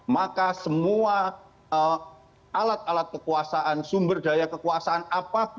maka semua alat alat kekuasaan sumber daya kekuasaan apapun